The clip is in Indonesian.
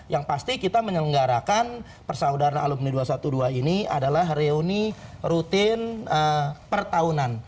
yang pasti kita menyelenggarakan persaudaraan alumni dua ratus dua belas ini adalah reuni rutin per tahunan